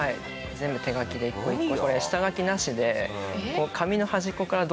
全部手描きで一個一個。